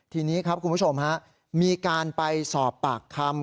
ทีนี้ครับคุณผู้ชมฮะมีการไปสอบปากคำ